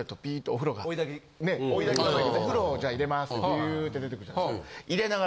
お風呂をじゃあ入れますってビューッて出てくるじゃないですか。